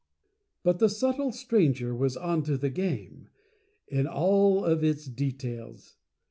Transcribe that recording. But the Subtle Stranger was Onto the Game, in all of its Details.